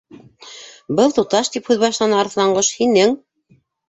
—Был туташ, —тип һүҙ башланы Арыҫланҡош, —һинең